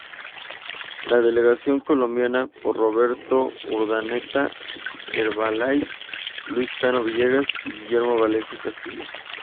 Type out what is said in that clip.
La delegación colombiana, por Roberto Urdaneta Arbeláez, Luis Cano Villegas y Guillermo Valencia Castillo.